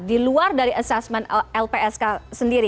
di luar dari asesmen lpsk sendiri